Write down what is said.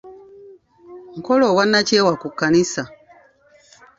Nkola obwannakyewa ku kkanisa.